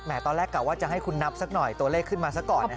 แหม่ตอนแรกกลัวว่าจะให้คุณนับสักหน่อยตัวเลขขึ้นมาสักก่อนนะฮะ